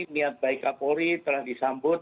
niat baik kapolri telah disambut